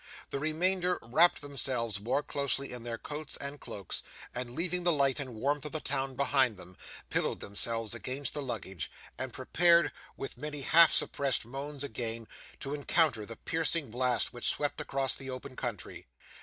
The remainder wrapped themselves more closely in their coats and cloaks, and leaving the light and warmth of the town behind them, pillowed themselves against the luggage, and prepared, with many half suppressed moans, again to encounter the piercing blast which swept across the open country.